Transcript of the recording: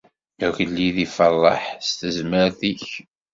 Agellid iferreḥ s tezmert-ik!